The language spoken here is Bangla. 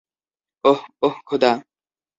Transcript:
ওহ, ওহ খোদা!